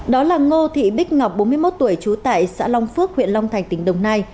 đó là ngô thị bích ngọc bốn mươi một tuổi trú tại xã long phước huyện long thành tỉnh đồng nai